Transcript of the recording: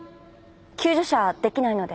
救助者できないので。